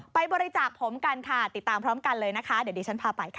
ไปบริจาคผมกันค่ะติดตามพร้อมกันเลยนะคะเดี๋ยวดิฉันพาไปค่ะ